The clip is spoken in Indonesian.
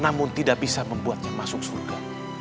namun tidak bisa membuatnya masuk surga